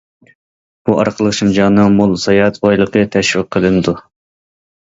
بۇ ئارقىلىق شىنجاڭنىڭ مول ساياھەت بايلىقى تەشۋىق قىلىنىدۇ.